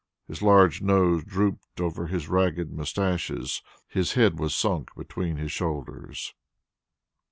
His large nose drooped over his ragged moustaches, his head was sunk between his shoulders.